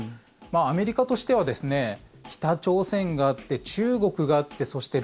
アメリカとしては北朝鮮があって、中国があってそして